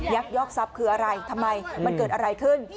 ยอกทรัพย์คืออะไรทำไมมันเกิดอะไรขึ้น